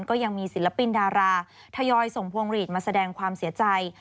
ก็ยังมีศิลปินดาราทยอยส่งพวงหลีดมาแสดงความเสียใจ